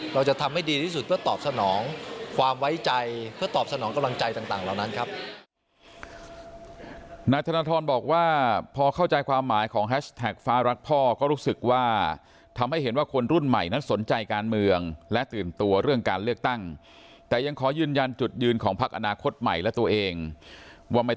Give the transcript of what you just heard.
เราจะทำให้ดีที่สุดเพื่อตอบสนองความไว้ใจเพื่อตอบสนองกำลังใจต่างเหล่านั้นครับ